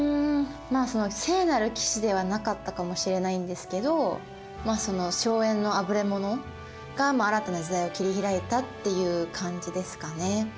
まあその聖なる騎士ではなかったかもしれないんですけど荘園のあぶれ者が新たな時代を切り開いたっていう感じですかね。